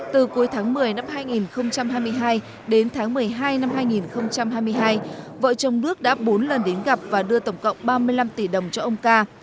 từ cuối tháng một mươi năm hai nghìn hai mươi hai đến tháng một mươi hai năm hai nghìn hai mươi hai vợ chồng đức đã bốn lần đến gặp và đưa tổng cộng ba mươi năm tỷ đồng cho ông ca